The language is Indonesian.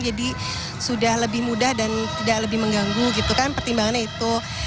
jadi sudah lebih mudah dan tidak lebih mengganggu gitu kan pertimbangannya itu